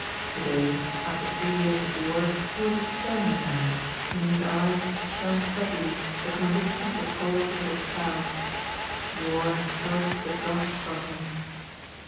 To day, after three years of war, he was a sterner man, in whose eyes shone steadily the conviction of the cause he had espoused. War had purged the dross from him.